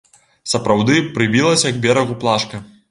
Сапраўды прыбілася к берагу плашка.